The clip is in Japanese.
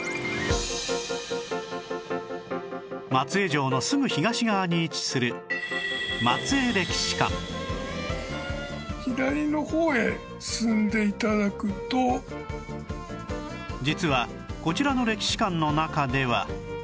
松江城のすぐ東側に位置する実はこちらの歴史館の中では